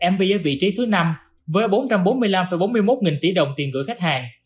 mv ở vị trí thứ năm với bốn trăm bốn mươi năm bốn mươi một nghìn tỷ đồng tiền gửi khách hàng